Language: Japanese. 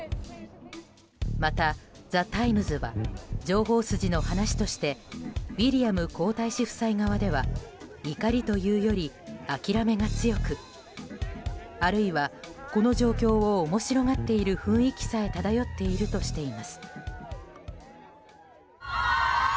また、ザ・タイムズは情報筋の話としてウィリアム皇太子夫妻側では怒りというより諦めが強く、あるいはこの状況を面白がっている雰囲気すら漂っているとしています。